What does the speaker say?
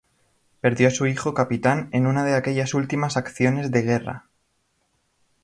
Perdió a su hijo, capitán, en una de aquellas últimas acciones de guerra.